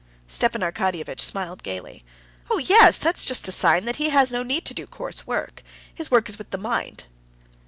Stepan Arkadyevitch smiled gaily. "Oh, yes, that's just a sign that he has no need to do coarse work. His work is with the mind...."